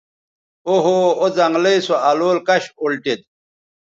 او ہو او زنگلئ سو الول کش اُلٹید